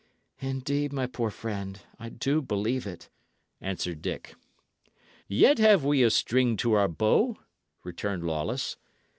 "Indeed, my poor friend, I do believe it," answered Dick. "Yet have we a string to our bow," returned Lawless.